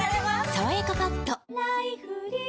「さわやかパッド」